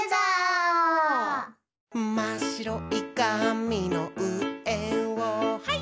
「まっしろいかみのうえをハイ！」